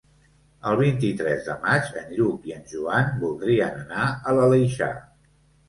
El vint-i-tres de maig en Lluc i en Joan voldrien anar a l'Aleixar.